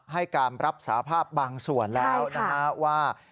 ให้การรับสาภาพบางส่วนแล้วนะฮะว่า